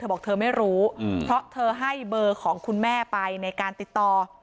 บอกเธอไม่รู้เพราะเธอให้เบอร์ของคุณแม่ไปในการติดต่อ